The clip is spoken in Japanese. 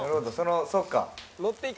そっか。